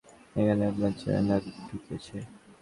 এখানে আপনার ছেলে নাক ঢুকিয়েছে।